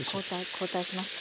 交代しますか？